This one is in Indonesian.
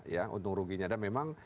ya untung ruginya dan memang